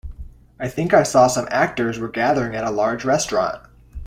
I think I saw some actors were gathering at a large restaurant.